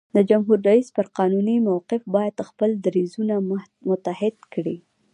د جمهور رئیس پر قانوني موقف باید خپل دریځونه متحد کړي.